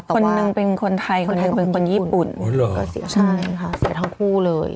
คนหนึ่งเป็นคนไทยคนหนึ่งเป็นคนญี่ปุ่น